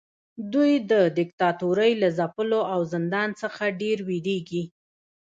دوی د دیکتاتورۍ له ځپلو او زندان څخه ډیر ویریږي.